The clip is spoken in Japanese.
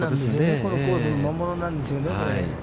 このコースの魔物なんですよね。